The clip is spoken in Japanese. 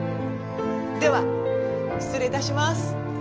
では失礼いたします。